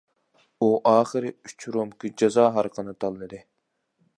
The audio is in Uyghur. ئۇ ئاخىرى ئۇچ رومكا جازا ھارىقىنى تاللىدى.